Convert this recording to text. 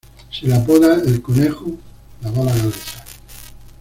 Se le apoda "El conejo, la bala galesa".